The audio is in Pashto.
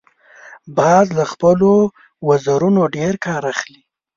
باز له خپلو وزرونو ډیر کار اخلي